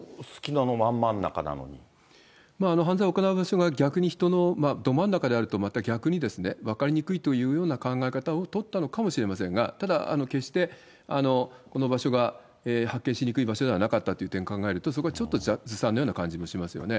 つまり、犯罪を行う場所が逆に人のど真ん中であると、また逆に分かりにくいというような考え方を取ったのかもしれませんが、ただ、決してこの場所が発見しにくい場所ではなかったという点を考えると、そこはちょっとずさんのような感じもしますよね。